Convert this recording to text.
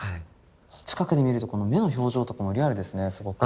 近くで見ると目の表情とかもリアルですねすごく。